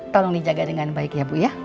tolong dijaga dengan baik ya bu ya